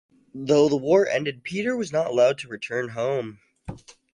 Though the war ended, Peter was not allowed to return home.